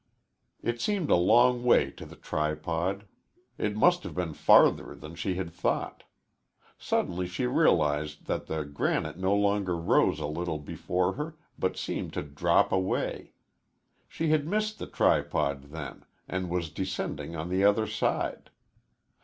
It seemed a long way to the tripod. It must have been farther than she had thought. Suddenly she realized that the granite no longer rose a little before her, but seemed to drop away. She had missed the tripod, then, and was descending on the other side.